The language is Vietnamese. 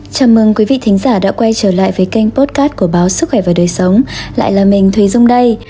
chào mừng quý vị thính giả đã quay trở lại với kênh podcast của báo sức khỏe và đời sống lại là mình thùy dung đây